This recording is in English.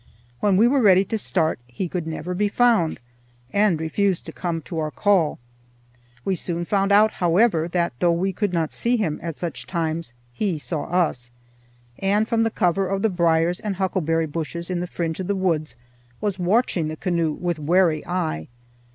When we were ready to start he could never be found, and refused to come to our call. We soon found out, however, that though we could not see him at such times, he saw us, and from the cover of the briers and huckleberry bushes in the fringe of the woods was watching the canoe with wary eye.